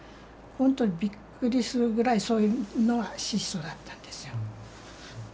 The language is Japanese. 本当にびっくりするぐらいそういうのは質素だったんですよ。